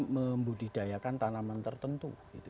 membudidayakan tanaman tertentu